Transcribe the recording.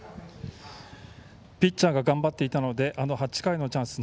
ピッチャーが頑張っていたので８回のチャンス